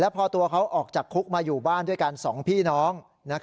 พอตัวเขาออกจากคุกมาอยู่บ้านด้วยกัน๒พี่น้อง